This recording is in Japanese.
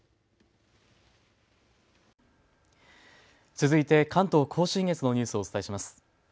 続いて関東甲信越のニュースをお伝えします。